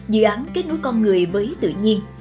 dự án kết nối con người với tự nhiên